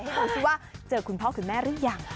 ให้เขาคิดว่าเจอคุณพ่อคุณแม่หรือยัง